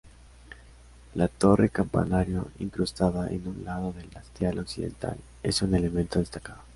La torre-campanario, incrustada en un lado del hastial occidental, es un elemento destacado.